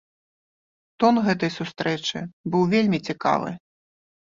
Тон гэтай сустрэчы быў вельмі цікавы.